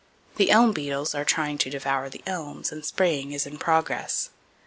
The elm beetles are trying to devour the elms; and spraying is in progress.